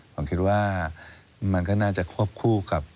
ผมคิดว่ามันก็น่าจะควบคู่กับ